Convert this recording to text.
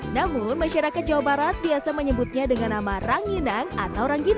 namun masyarakat jawa barat biasa menyebutnya dengan nama ranginang atau rangginang